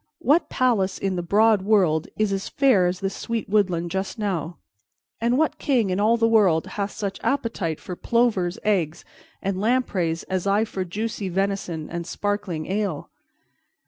What palace in the broad world is as fair as this sweet woodland just now, and what king in all the world hath such appetite for plover's eggs and lampreys as I for juicy venison and sparkling ale?